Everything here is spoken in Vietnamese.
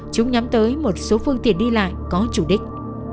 chúng nhắm tới một số phương tiện đi lại có chủ đích